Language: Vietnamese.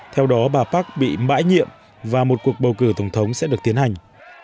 theo đó bà park bị bãi nhiệm và một cuộc bầu cử tổng thống sẽ được tiến hành